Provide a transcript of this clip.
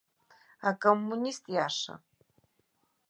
Акоммунист иаша.